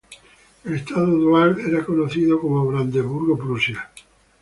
El estado dual era conocido como Brandeburgo-Prusia.